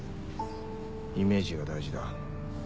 イメージが大事だ。